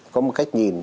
có một cách nhìn